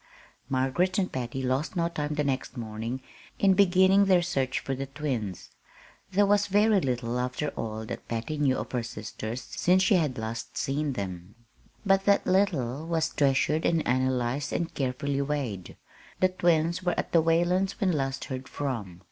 Margaret and Patty lost no time the next morning in beginning their search for the twins. There was very little, after all, that Patty knew of her sisters since she had last seen them; but that little was treasured and analyzed and carefully weighed. The twins were at the Whalens' when last heard from.